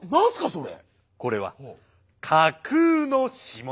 それ。